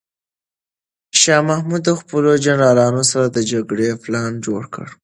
شاه محمود د خپلو جنرالانو سره د جګړې پلان جوړ کړ.